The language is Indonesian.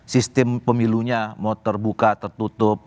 sistem pemilunya mau terbuka tertutup